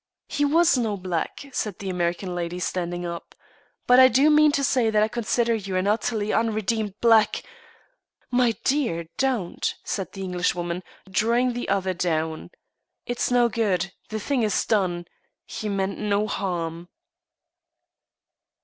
"He was no black," said the American lady, standing up. "But I do mean to say that I consider you an utterly unredeemed black " "My dear, don't," said the Englishwoman, drawing the other down. "It's no good. The thing is done. He meant no harm."